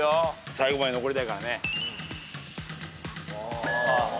最後まで残りたいからね。